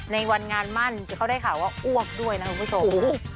ในวันงานมั่นเขาได้ข่าวว่าอ้วกด้วยนะคุณผู้ชม